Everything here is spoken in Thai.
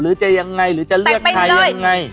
หรือจะยังไงหรือจะเลือกใครยังไง